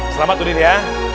selamat udin ya